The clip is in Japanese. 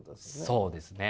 そうですね。